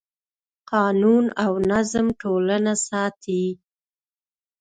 قانون او نظم ټولنه ساتي.